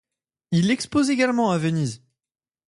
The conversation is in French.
Il expose également à Venise.